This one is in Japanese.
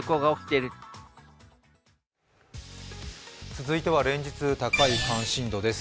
続いては連日高い関心度です。